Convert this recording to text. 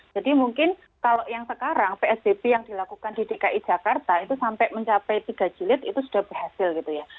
jadi mungkin kalau yang sekarang psbp yang dilakukan di dki jakarta itu sampai mencapai tiga jilid itu sudah berhasil gitu ya